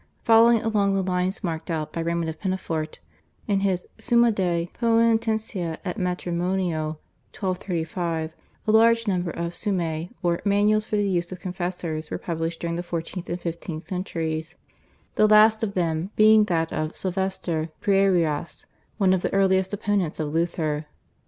Following along the lines marked out by Raymond of Penafort in his /Summa de poenitentia et matrimonio/ (1235) a large number of /Summae/ or manuals for the use of confessors were published during the fourteenth and fifteenth centuries, the last of them being that of Silvester Prierias, one of the earliest opponents of Luther.